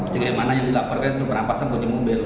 jadi mana yang dilaporkan itu perampasan kunci mobil